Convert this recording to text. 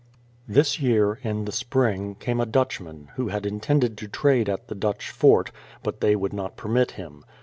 This year, in the Spring, came a Dutchman, who had intended to trade at the Dutch fort, but they would not permit him.